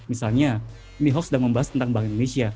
misalnya nih hoax sedang membahas tentang bank indonesia